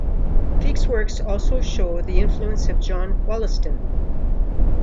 Feke's works also show the influence of John Wollaston.